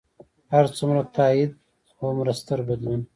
هر څومره تایید، هغومره ستر بدلون.